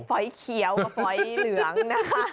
ฝอยเขียวกับฝอยเหลืองนะคะ